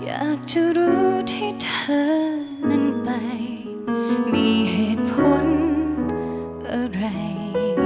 อยากจะรู้ที่เธอนั้นไปมีเหตุผลอะไร